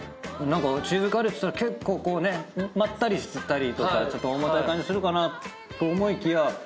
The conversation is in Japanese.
何かチーズカレーっつったら結構まったりしてたりとかちょっと重たい感じするかなと思いきや